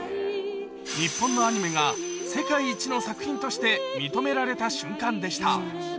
日本のアニメが世界一の作品として認められた瞬間でした。